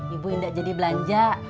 ibu tidak jadi belanja